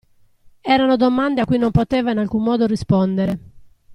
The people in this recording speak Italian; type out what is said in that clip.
Erano domande a cui non poteva in alcun modo rispondere.